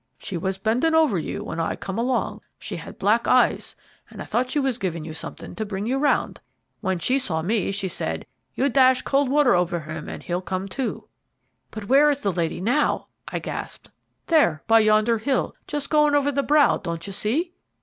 She was bending over you when I come along. She had black eyes, and I thought she was giving you something to bring you round. When she saw me she said, 'You dash cold water over him, and he'll come to.'" "But where is the lady now?" I gasped. "There by yonder hill, just going over the brow, don't you see?"